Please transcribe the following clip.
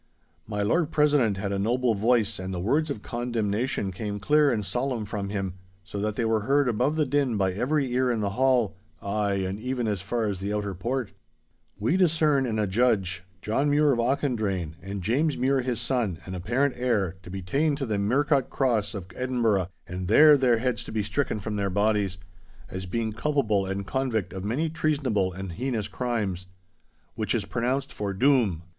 My Lord President had a noble voice and the words of condemnation came clear and solemn from him, so that they were heard above the din by every ear in the hall—ay, and even as far as the outer port. 'We discern and adjudge John Mure of Auchendrayne and James Mure his son and apparent heir to be ta'en to the Mercat Cross of Edinburgh, and there their heads to be stricken from their bodies—as being culpable and convict of many treasonable and heinous crimes. Which is pronounced for DOOM!